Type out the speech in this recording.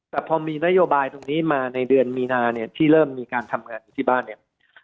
แต่พอมีนโยบายตรงนี้มาในเดือนมีนาเนี่ยที่เริ่มมีการทำงานอยู่ที่บ้านเนี่ย